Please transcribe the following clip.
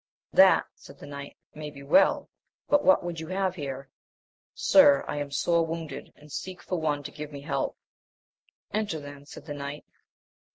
That, said the knight, may well be ; but what would you have here %— Sir, I am sore wounded, and seek for one to give me help. Enter then, said the knight.